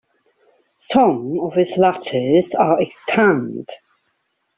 Some of his letters are extant.